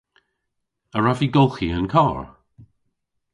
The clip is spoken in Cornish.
A wrav vy golghi an karr?